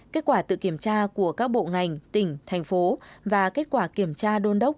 kết quả tự kiểm tra của các bộ ngành tỉnh thành phố và kết quả kiểm tra đôn đốc